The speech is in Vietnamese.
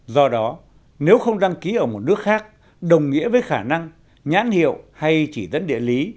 do đó nếu không đăng ký ở một nước khác đồng nghĩa với khả năng nhãn hiệu hay chỉ dẫn địa lý